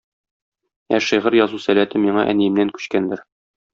Ә шигырь язу сәләте миңа әниемнән күчкәндер.